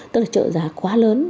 tức là trợ giá quá lớn